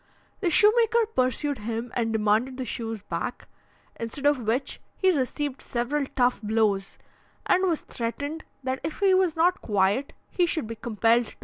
The shoemaker pursued him, and demanded the shoes back; instead of which he received several tough blows, and was threatened that if he was not quiet he should be compelled to leave the ship immediately.